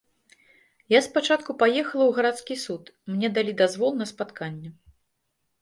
Я спачатку паехала ў гарадскі суд, мне далі дазвол на спатканне.